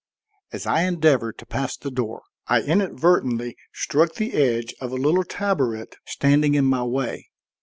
As I endeavored to pass the door, I inadvertently struck the edge of a little taboret standing in my way.